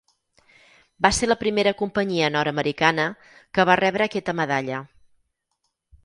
Va ser la primera companyia nord-americana que va rebre aquesta medalla.